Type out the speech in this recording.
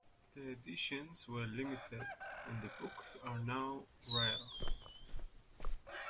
The editions were limited, and the books are now rare.